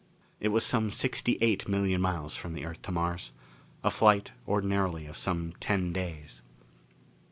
It was some sixty eight million miles from the Earth to Mars. A flight, ordinarily, of some ten days.